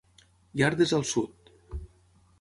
Iardes al sud.